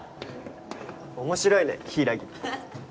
面白いね柊って。